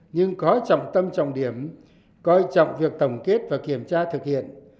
nhưng có trọng tâm trọng điểm coi trọng việc tổng kết và kiểm tra thực hiện